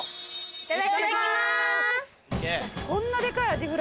・いただきます！